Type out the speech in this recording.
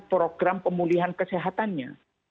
program pemulihan kesehatannya